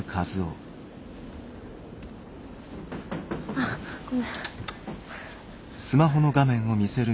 あごめん。